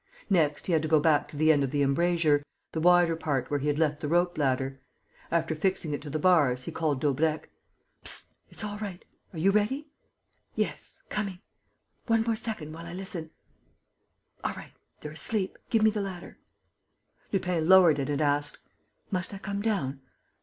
Next, he had to go back to the end of the embrasure, the wider part, where he had left the rope ladder. After fixing it to the bars, he called Daubrecq: "Psst!... It's all right.... Are you ready?" "Yes ... coming.... One more second, while I listen.... All right.... They're asleep.... give me the ladder." Lupin lowered it and asked: "Must I come down?"